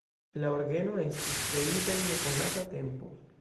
La orgeno estis kreita en nekonata tempo.